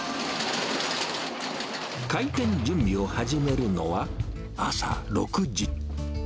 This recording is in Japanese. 開店準備を始めるのは、朝６時。